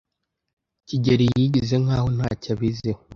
kigeli yigize nkaho ntacyo abiziho.